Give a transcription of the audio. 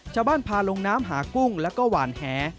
ชาวบ้านพาลงน้ำหากุ้งแล้วก็หวานแห